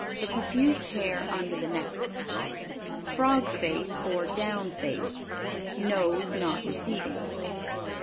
The profuse hair under the neck. Frog face or Down face. Nose not receding.